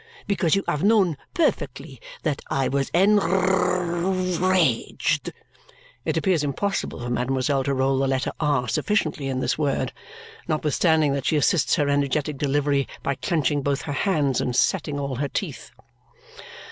Because you have known perfectly that I was en r r r raged!" It appears impossible for mademoiselle to roll the letter "r" sufficiently in this word, notwithstanding that she assists her energetic delivery by clenching both her hands and setting all her teeth.